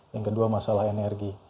yang kedua masalah energi